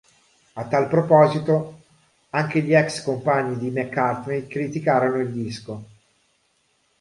A tal proposito anche gli ex compagni di McCartney criticarono il disco.